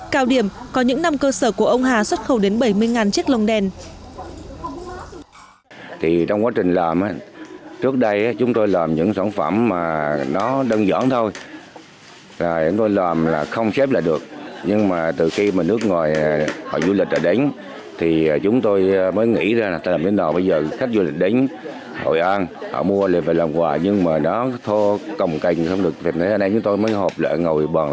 cao điểm có những năm cơ sở của ông hà xuất khẩu đến bảy mươi chiếc lồng đèn